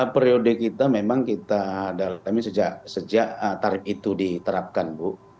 periode kita memang kita dalami sejak tarif itu diterapkan bu